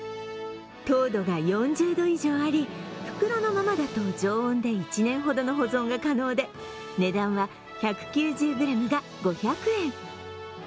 糖度が４０度以上あり、袋のままだと常温で１年ほどの保存が可能で、値段は１９０ｇが５００円。